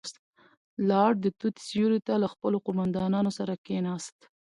لاړ، د توت سيورې ته له خپلو قوماندانانو سره کېناست.